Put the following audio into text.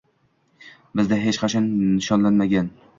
Bizda hech qachon nishonlanmagan.